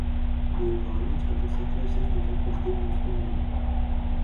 Bija plānots, ka tas atvērsies tikai pēc divām stundām.